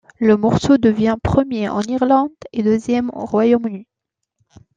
Le morceau devient premier en Irlande et deuxième au Royaume-Uni.